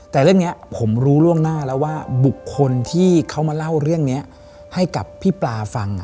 แต่เรื่องนี้ผมรู้ล่วงหน้าแล้วว่าบุคคลที่เขามาเล่าเรื่องนี้ให้กับพี่ปลาฟัง